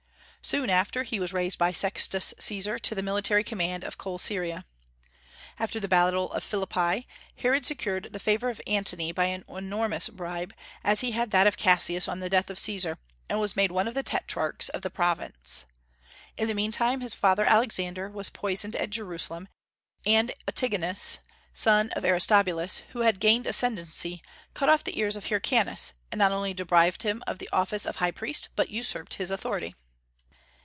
Soon after, he was raised by Sextus Caesar to the military command of Coele Syria. After the battle of Philippi, Herod secured the favor of Antony by an enormous bribe, as he had that of Cassius on the death of Caesar, and was made one of the tetrarchs of the province. In the meantime his father, Alexander, was poisoned at Jerusalem, and Antigonus, son of Aristobulus, who had gained ascendency, cut off the ears of Hyrcanus, and not only deprived him of the office of high priest, but usurped his authority.